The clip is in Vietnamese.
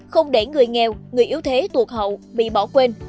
không để người nghèo người yếu thế tuột hậu bị bỏ quên